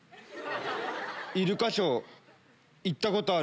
イルカショー行ったことある？